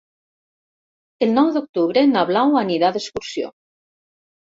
El nou d'octubre na Blau anirà d'excursió.